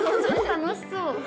楽しそう。